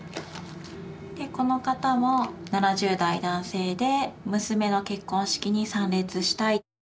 この方も７０代男性で娘の結婚式に参列したい。